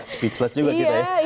speechless juga kita ya